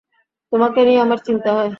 তোমাকে নিয়ে আমার চিন্তা হয়।